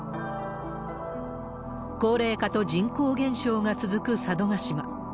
高齢化と人口減少が続く佐渡島。